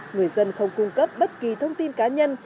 người dân không cung cấp bất kỳ thông tin cá nhân